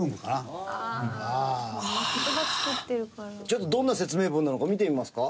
ちょっとどんな説明文なのか見てみますか？